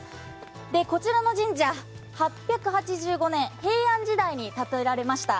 こちらの神社、８８５年、平安時代に建てられました。